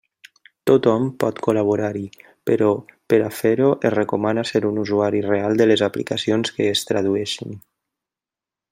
Tothom pot col·laborar-hi, però per a fer-ho es recomana ser un usuari real de les aplicacions que es tradueixin.